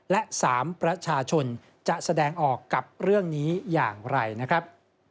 และ๓ประชาชนจะแสดงออกกับเรื่องนี้อย่างไรนะครับ